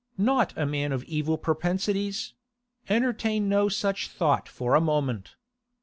Not a man of evil propensities; entertain no such thought for a moment.